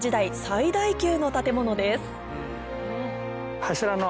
最大級の建物です